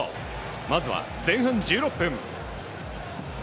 まずは前半１６分。